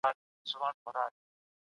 د سړي سر عاید به د ژوند سطحه بدله کړي.